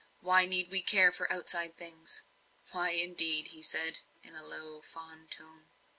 Why need we care for outside things?" "Why, indeed?" he said, in a low, fond tone.